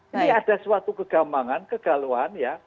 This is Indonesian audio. ini ada suatu kegambangan kegalauan ya